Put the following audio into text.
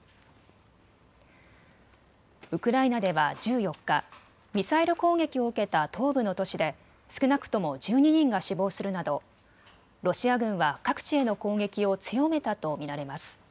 ウクライナでは１４日、ミサイル攻撃を受けた東部の都市で少なくとも１２人が死亡するなどロシア軍は各地への攻撃を強めたと見られます。